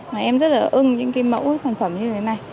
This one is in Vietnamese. mà em rất là ưng những cái mẫu